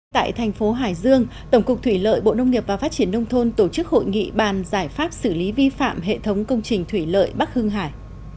tại thành phố hải dương tổng cục thủy lợi bộ nông nghiệp và phát triển nông thôn tổ chức hội nghị bàn giải pháp xử lý vi phạm hệ thống công trình thủy lợi bắc hưng hải